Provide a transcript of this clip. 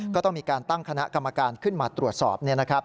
ก็ต้องมีการตั้งคณะกรรมการขึ้นมาตรวจสอบ